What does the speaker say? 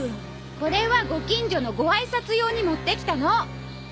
これはご近所のごあいさつ用に持ってきたの。